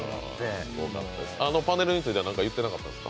あのパネルについては、何か言ってなかったんですか？